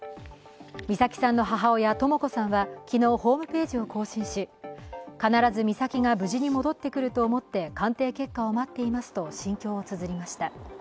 美咲さんの母親・とも子さんは昨日ホームページを更新し、必ず美咲が無事に戻ってくると思って鑑定結果を待っていますと心境をつづりました。